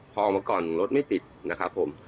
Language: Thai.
พอออกมาก่อนรถไม่ติดนะครับผม